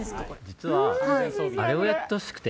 実は、あれをやってほしくて。